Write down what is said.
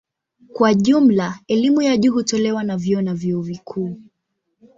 Kwa jumla elimu ya juu hutolewa na vyuo na vyuo vikuu.